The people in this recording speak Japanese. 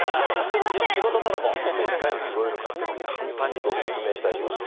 いかにすごいのかっていうのを簡単にご説明したいと思います。